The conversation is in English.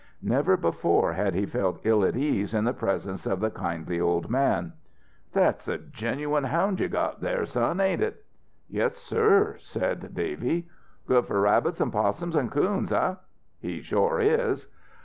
Never before had he felt ill at ease in the presence of the kindly old man. "That's a genuine hound you got there, son, ain't it?" "Yes, sir," said Davy. "Good for rabbits an' 'possums an' coons, eh?" "He shore is!"